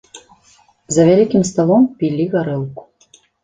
За вялікім сталом пілі гарэлку.